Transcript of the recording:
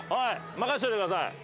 任しといてください。